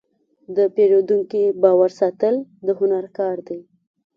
د پیرودونکي باور ساتل د هنر کار دی.